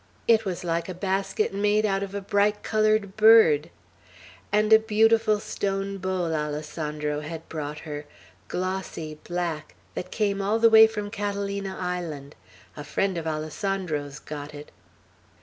It was like a basket made out of a bright colored bird. And a beautiful stone bowl Alessandro had brought her, glossy black, that came all the way from Catalina Island; a friend of Alessandro's got it.